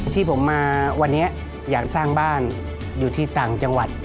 ที่ผมมาวันนี้อยากสร้างบ้านอยู่ที่ต่างจังหวัด